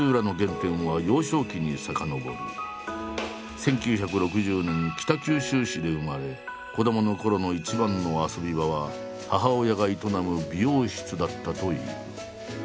１９６０年北九州市で生まれ子どものころの一番の遊び場は母親が営む美容室だったという。